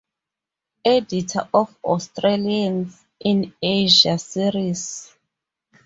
Editor of 'Australians in Asia' series.